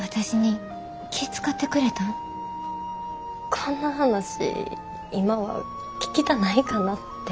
こんな話今は聞きたないかなて。